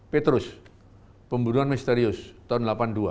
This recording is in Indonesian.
petrus pembunuhan misterius tahun seribu sembilan ratus delapan puluh dua